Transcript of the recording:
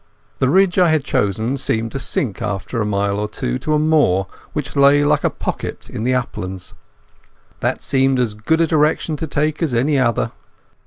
The ridge I had chosen seemed to sink after a mile or two to a moor which lay like a pocket in the uplands. That seemed as good a direction to take as any other.